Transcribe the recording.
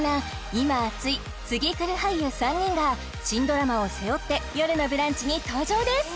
今熱い次くる俳優３人が新ドラマを背負って「よるのブランチ」に登場です